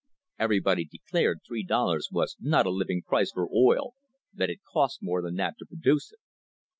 Everybody declared three dollars was not a "living price" for oil, that it cost more than that to produce it.